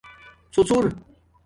ݼݼر